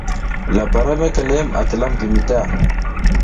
Labara mekeme a tilamdimi lamba ndiɗa.